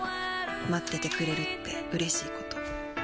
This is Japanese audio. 待っててくれるってうれしいこと